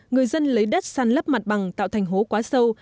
người dân lấy đất săn lấp mặt bằng tạo thành hố quá sâu